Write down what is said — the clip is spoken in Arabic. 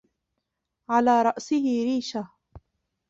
على رأسه ريشة